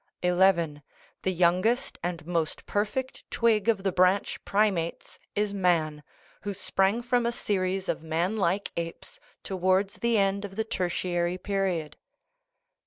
(n) The youngest and most perfect twig of the branch primates is man, who sprang from a series of manlike apes towards the end of the Tertiary period.